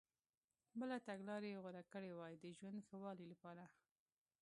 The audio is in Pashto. بله تګلارې یې غوره کړي وای د ژوند ښه والي لپاره.